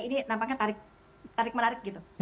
ini nampaknya tarik menarik gitu